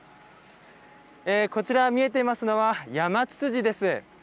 こちら、見えていますのはヤマツツジです。